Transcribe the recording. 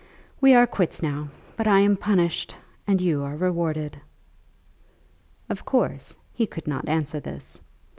We are quits now; but I am punished and you are rewarded." Of course he could not answer this.